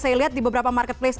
saya lihat di beberapa marketplace